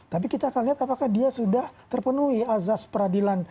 tapi kita akan lihat apakah dia sudah terpenuhi azas peradilan